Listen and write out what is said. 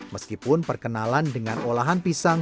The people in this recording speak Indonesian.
meskipun perkenalan dengan olahan pisang